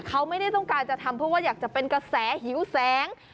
เขาไม่ได้ต้องการจะทำเพราะว่าอยากจะเป็นกระแสหิวแสง